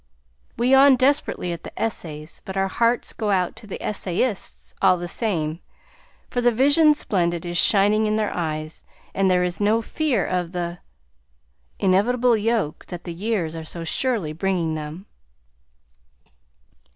We yawn desperately at the essays, but our hearts go out to the essayists, all the same, for "the vision splendid" is shining in their eyes, and there is no fear of "th' inevitable yoke" that the years are so surely bringing them.